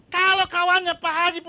saja tanya said